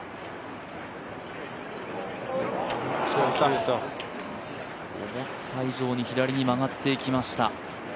思った以上に左に曲がっていきました。